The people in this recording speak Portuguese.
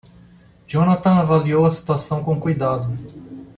Johnathan avaliou a situação com cuidado.